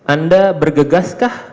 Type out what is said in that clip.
anda bergegas kah